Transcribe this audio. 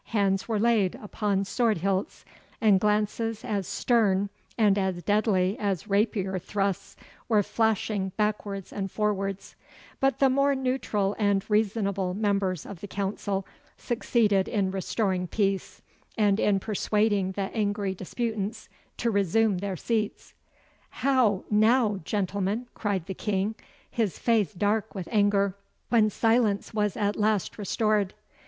Hands were laid upon sword hilts, and glances as stern and as deadly as rapier thrusts were flashing backwards and forwards; but the more neutral and reasonable members of the council succeeded in restoring peace, and in persuading the angry disputants to resume their seats. 'How now, gentlemen?' cried the King, his face dark with anger, when silence was at last restored.